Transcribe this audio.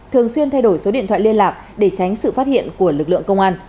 thường xuyên thay đổi số điện thoại liên lạc để tránh sự phát hiện của lực lượng công an